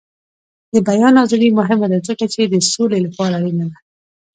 د بیان ازادي مهمه ده ځکه چې د سولې لپاره اړینه ده.